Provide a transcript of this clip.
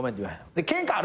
ケンカある？